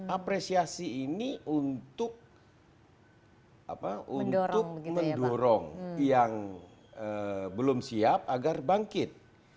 apresiasi ini untuk mendorong yang belum siap agar bangkit